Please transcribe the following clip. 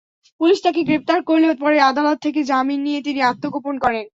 Police তাঁকে গ্রেপ্তার করলেও পরে আদালত থেকে জামিন নিয়ে তিনি আত্মগোপন করেন।